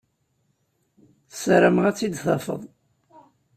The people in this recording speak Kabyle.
Sarameɣ ad tt-id-tafeḍ.